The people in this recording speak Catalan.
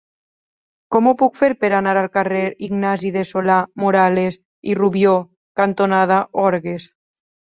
Com ho puc fer per anar al carrer Ignasi de Solà-Morales i Rubió cantonada Orgues?